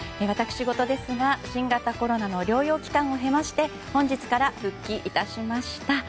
私事ですが新型コロナの療養期間を経まして本日から復帰致しました。